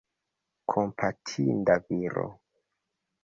Kompatinda viro.